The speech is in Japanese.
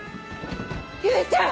唯ちゃん！